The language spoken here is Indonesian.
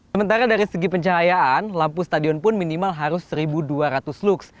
sementara dari segi pencahayaan lampu stadion pun minimal harus satu dua ratus lux